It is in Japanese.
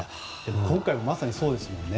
今回もまさにそうですね。